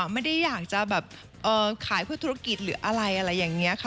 ไม่ได้อยากจะแบบขายเพื่อธุรกิจหรืออะไรอะไรอย่างนี้ค่ะ